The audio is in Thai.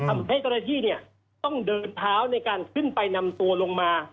ทำให้ตรฐีต้องเดินเท้าในการขึ้นไปนำตัวลงมา